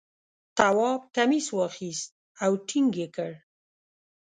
تواب کمیس واخیست او ټینګ یې کړ.